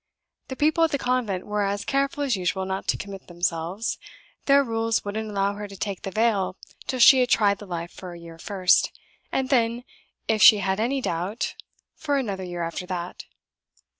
The people at the convent were as careful as usual not to commit themselves. Their rules wouldn't allow her to take the veil till she had tried the life for a year first, and then, if she had any doubt, for another year after that.